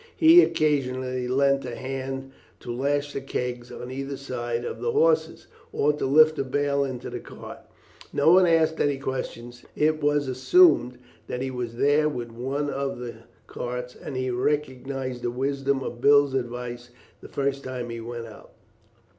He occasionally lent a hand to lash the kegs on either side of the horses, or to lift a bale into the cart. No one ever asked any question; it was assumed that he was there with one of the carts, and he recognized the wisdom of Bill's advice the first time he went out.